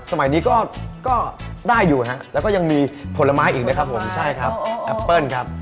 สมัยนี้ก็ได้อยู่ฮะแล้วก็ยังมีผลไม้อีกนะครับผมใช่ครับแอปเปิ้ลครับ